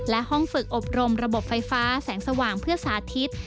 และห้องฝึกอบรมระบบไฟฟ้าแสงสว่างเพื่อสาธิต